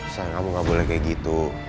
sayang kamu gak boleh kayak gitu